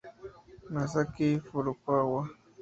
Masaaki Furukawa